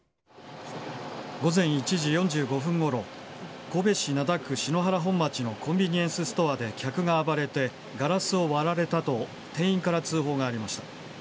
午前１時４５分ごろ神戸市灘区篠原本町のコンビニエンスストアで客が暴れてガラスを割られたと店員から通報がありました。